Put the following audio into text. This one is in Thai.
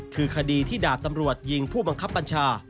คือคดีที่ดาบตำรวจยิงผู้บังคับบัญชา